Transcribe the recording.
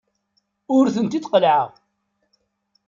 Ur tent-id-qellɛeɣ.